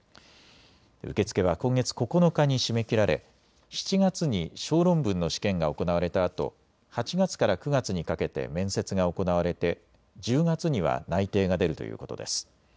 受け付けは今月９日に締め切られ７月に小論文の試験が行われたあと８月から９月にかけて面接が行われて１０月には内定が出るということです。